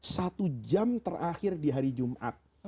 satu jam terakhir di hari jumat